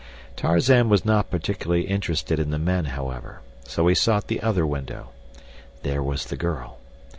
Tarzan was not particularly interested in the men, however, so he sought the other window. There was the girl.